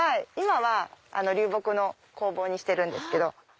今は流木の工房にしてるんですけど。